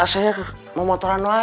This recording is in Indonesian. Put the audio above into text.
saya mau teranai